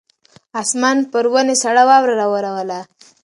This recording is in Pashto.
اسمان پر ونې سړه واوره راووروله.